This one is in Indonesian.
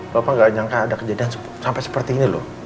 papa gak nyangka ada kejadian sampai seperti ini loh